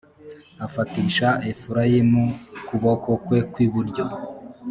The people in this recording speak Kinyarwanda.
afatisha efurayimu ukuboko kwe kw iburyo